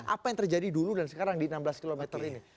apa yang terjadi dulu dan sekarang di enam belas km ini